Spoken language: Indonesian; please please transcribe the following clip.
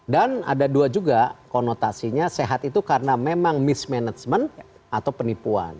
dan ada dua juga konotasinya sehat itu karena memang mismanagement atau penipuan